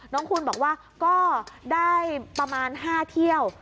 คูณบอกว่าก็ได้ประมาณ๕เที่ยว